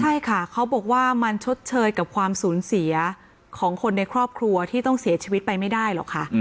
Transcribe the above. ใช่ค่ะเขาบอกว่ามันชดเชยกับความสูญเสียของคนในครอบครัวที่ต้องเสียชีวิตไปไม่ได้หรอกค่ะ